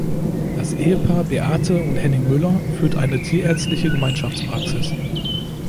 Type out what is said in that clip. Das Ehepaar Beate und Henning Müller führt eine tierärztliche Gemeinschaftspraxis.